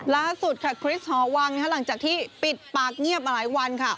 ล่าสุดค่ะคริสหอวังหลังจากที่ปิดปากเงียบมาหลายวันค่ะ